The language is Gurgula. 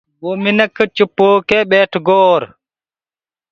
وو مِنک چُپ هوڪي ٻيٺگو اورَ